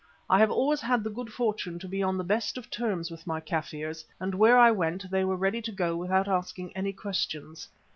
I have always had the good fortune to be on the best of terms with my Kaffirs, and where I went they were ready to go without asking any questions.